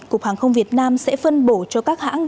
cục hàng không việt nam sẽ phân bổ cho các hãng